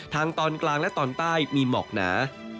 ทางตอนกลางและตอนใต้มีหมอกหนา